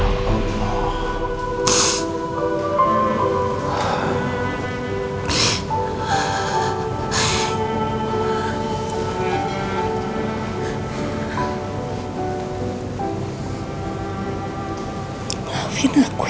aku minta maaf pak